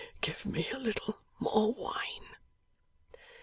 Give me a little more wine.